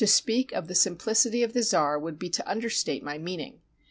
To speak of the simplicity of the czar would be to understate my meaning.